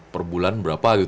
perbulan berapa gitu